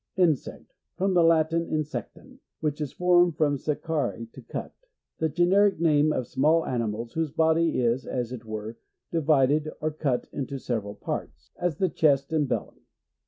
Insect. — From the Latin, insectum, \ which is formed from secure to cut. \ The generic name of small animals whose body i3, as it were, divided or cut into several parts ; as the chest and belly.